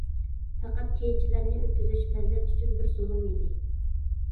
پەقەت كېچىلەرنى ئۆتكۈزۈش پەزىلەت ئۈچۈن بىر زۇلۇم ئىدى.